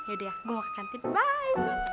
yaudah gue mau ke kantin bye